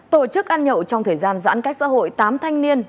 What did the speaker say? tổ chức ăn nhậu trong thời gian giãn cách xã hội tám thanh niên